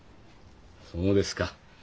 そうですか。